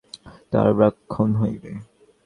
তাহার পরে সে যে সম্পূর্ণ শুচি হইয়া ব্রাহ্মণ হইবে।